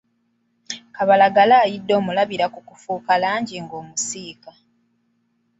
Kabalagala ayidde omulabira kukufuuka langi ng'omusiika.